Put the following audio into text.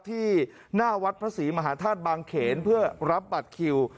ที่หน้าวัดพระศรีมหาธาตุบางเขนเพื่อรับบัตรคิว